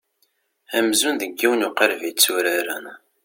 Amzun deg yiwen uqaleb i tturaren.